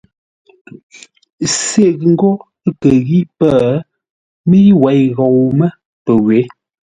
Sê ghʉ ńgó, ə́ kə ghî pə́, mə́i wěi ghou mə́ pəwě.